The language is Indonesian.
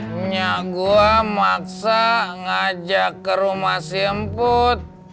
punya gua maksa ngajak ke rumah si emput